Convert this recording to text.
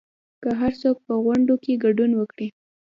که هرڅوک په غونډو کې ګډون وکړي